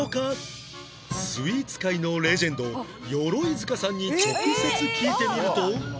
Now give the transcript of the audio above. スイーツ界のレジェンド鎧塚さんに直接聞いてみると